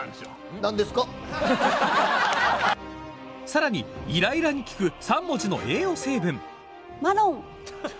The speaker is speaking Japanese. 更に、イライラに効く３文字の栄養成分。